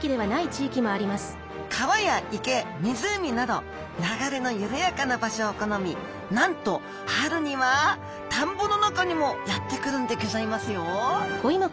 川や池湖など流れの緩やかな場所を好みなんと春には田んぼの中にもやって来るんでギョざいますよ！